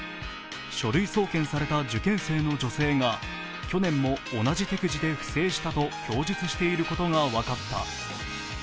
書類送検された受験生の女性が去年も同じ手口で不正したと供述していることが分かった。